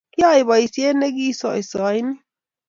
kiaib boiseie ne kisoisonik.